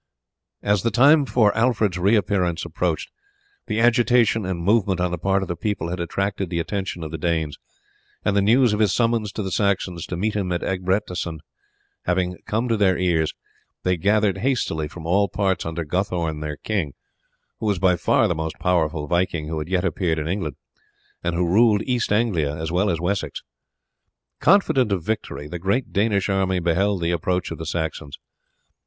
As the time for Alfred's reappearance approached the agitation and movement on the part of the people had attracted the attention of the Danes, and the news of his summons to the Saxons to meet him at Egbertesstan having come to their ears, they gathered hastily from all parts under Guthorn their king, who was by far the most powerful viking who had yet appeared in England, and who ruled East Anglia as well as Wessex. Confident of victory the great Danish army beheld the approach of the Saxons.